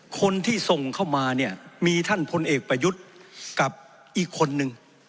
คนที่ส่งเข้ามาเนี่ยมีท่านพลเอกประยุทธ์กับอีกคนนึง